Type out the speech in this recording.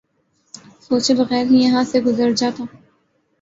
سوچے بغیر ہی یہاں سے گزر جاتا